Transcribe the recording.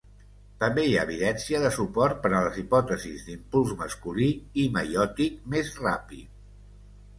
També hi ha evidència de suport per a les hipòtesis d'impuls masculí i meiòtic més ràpid.